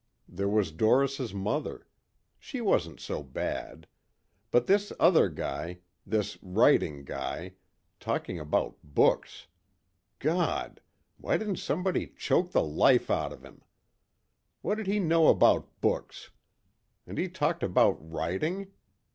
There was Doris' mother. She wasn't so bad. But this other guy, this writing guy, talking about books! God! Why didn't somebody choke the life out of him! What did he know about books? And he talked about writing!